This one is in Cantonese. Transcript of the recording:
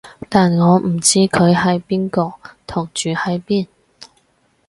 但我唔知佢係邊個同住喺邊